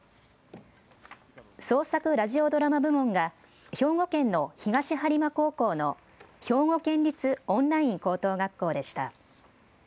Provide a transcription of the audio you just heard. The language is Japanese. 創作ラジオドラマ部門が兵庫県の東播磨高校の兵庫県立オンライン高等学校でした。